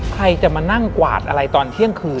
ใครจะมานั่งกวาดอะไรตอนเที่ยงคืน